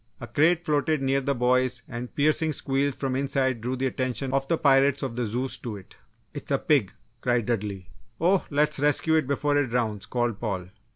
A crate floated near the boys and piercing squeals from the inside drew the attention of the pirates of the Zeus to it. "It's a pig!" cried Dudley. "Oh, let's rescue it before it drowns," called Paul.